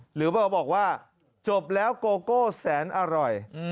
หรือว่าบอกว่าจบแล้วโกโก้แสนอร่อย